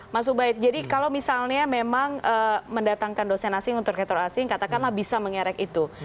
mas ubaid jadi kalau misalnya memang mendatangkan dosen asing untuk rektor asing katakanlah bisa mengerek itu